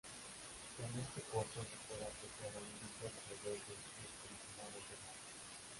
En este corto se puede apreciar a un grupo de rebeldes desconectados de Matrix.